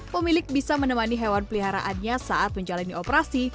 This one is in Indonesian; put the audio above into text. pemilik bisa menemani hewan peliharaannya saat menjalani operasi